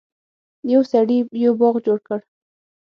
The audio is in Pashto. یو سړي یو باغ جوړ کړ.